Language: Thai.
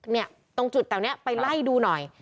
เนี่ยตรงจุดแถวนี้ไปไล่ดูหน่อย